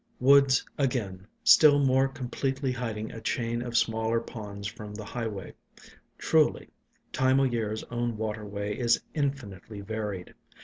Woods again, still more completely hiding a chain 44 ALONG THE WATERWAYS of smaller ponds from the highway. Truly, Time o' Year's own waterway is infinitely varied.